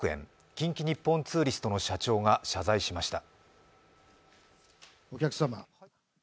近畿日本ツーリストの社長が謝罪しました。